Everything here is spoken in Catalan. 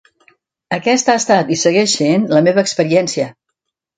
Aquesta ha estat, i segueix essent, la meva experiència.